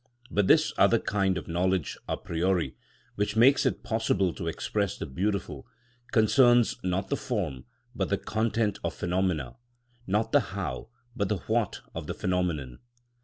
But this other kind of knowledge a priori, which makes it possible to express the beautiful, concerns, not the form but the content of phenomena, not the how but the what of the phenomenon.